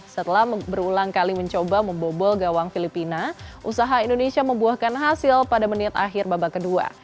setelah berulang kali mencoba membobol gawang filipina usaha indonesia membuahkan hasil pada menit akhir babak kedua